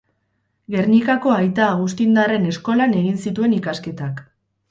Gernikako Aita Agustindarren eskolan egin zituen ikasketak.